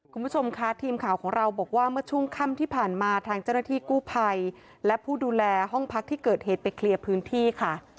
คุณผู้ชมค่ะทีมข่าวของเราบอกว่าเมื่อช่วงค่ำที่ผ่านมาทางเจ้าหน้าที่กู้ภัยและผู้ดูแลห้องพักที่เกิดเหตุไปเคลียร์พื้นที่ค่ะ